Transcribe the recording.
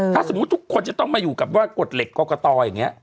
ถ้าสมมุติทุกคนจะต้องมาอยู่กับว่ากฎเหล็กกรกตอย่างนี้